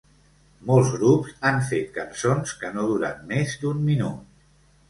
Molts grups han fet cançons que no duren més d'un minut.